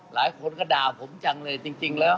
หลายคนก็ด่าผมจังเลยจริงแล้ว